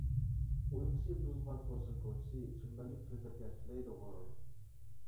ئۇيقۇسى بۇزۇلغان كونسۇل كوچىسى، چۈمبەللىك كۆزلەرگە تىلەيدۇ غۇرۇر.